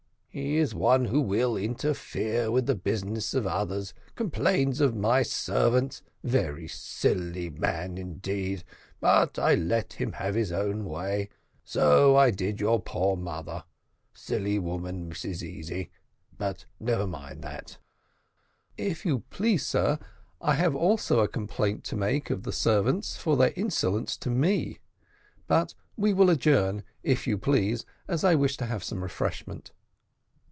He is one who will interfere with the business of others, complains of my servants very silly man indeed but I let him have his own way. So I did your poor mother. Silly woman, Mrs Easy but never mind that." "If you please, sir, I have also a complaint to make of the servants for their insolence to me: but we will adjourn, if you please, as I wish to have some refreshment."